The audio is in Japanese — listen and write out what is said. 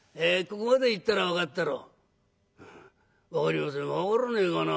ここまで言ったら分かったろ？」。